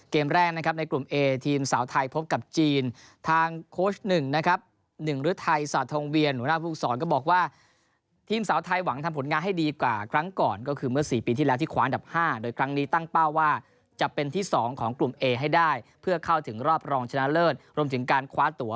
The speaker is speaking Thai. เกมแรกนะครับในกลุ่มเอทีมสาวไทยพบกับจีนทางโค้ช๑นะครับ๑ฤทัยสาธงเวียนหัวหน้าภูมิสอนก็บอกว่าทีมสาวไทยหวังทำผลงานให้ดีกว่าครั้งก่อนก็คือเมื่อ๔ปีที่แล้วที่คว้าอันดับ๕โดยครั้งนี้ตั้งเป้าว่าจะเป็นที่๒ของกลุ่มเอให้ได้เพื่อเข้าถึงรอบรองชนะเลิศรวมถึงการคว้าตัว